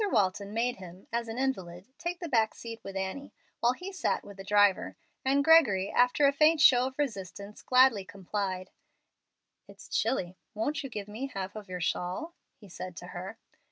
Walton made him, as an invalid, take the back seat with Annie, while he sat with the driver, and Gregory, after a faint show of resistance, gladly complied. "It's chilly. Won't you give me half of your shawl?" he said to her.